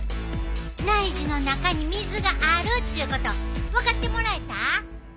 内耳の中に水があるっちゅうこと分かってもらえた？